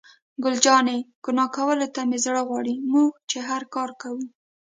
ګل جانې: ګناه کولو ته مې زړه غواړي، موږ چې هر کار کوو.